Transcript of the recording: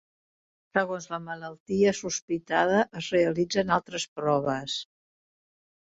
Segons la malaltia sospitada, es realitzen altres proves.